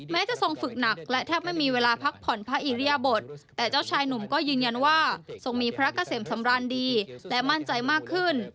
จะทรงฝึกหนักและแทบไม่มีเวลาพักผ่อนพระอิริยบทแต่เจ้าชายหนุ่มก็ยืนยันว่าทรงมีพระเกษมสำราญดีและมั่นใจมากขึ้น